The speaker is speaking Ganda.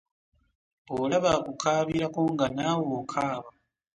Bwolaba akukabirako nga naawe okaaba.